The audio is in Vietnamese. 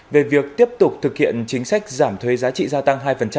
về việc tiếp tục thực hiện chính sách giảm thuế giá trị gia tăng hai